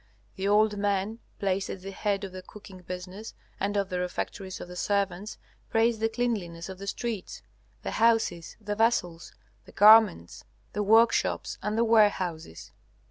The old men placed at the head of the cooking business and of the refectories of the servants praise the cleanliness of the streets, the houses, the vessels, the garments, the workshops, and the warehouses.